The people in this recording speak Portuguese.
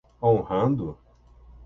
Honrando?